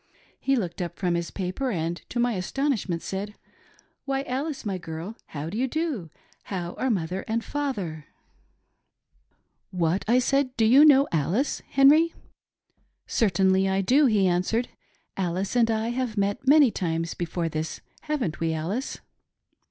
He looked up from his paper, and, to my astonishment, said, ' Why, Alice, my girl, how do you do ? How are mother and father ?' 374 AN INTERVIEW WITH MISS ALICE. " What ; I said, do you inow Alice, Henry ?"' Certainly I do,' he answered, ' Alice and 1 have met many times before this, haven't we, Alice?'